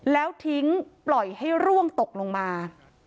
แล้วทิ้งปล่อยให้ร่วงตกลงมา